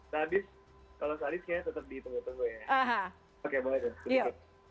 nah abis kalau sadis ya tetap di tengok tengok ya